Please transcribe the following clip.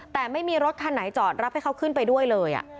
แต่ไม่มีรถคันไหนจอดรับให้เขาขึ้นไปด้วยเลย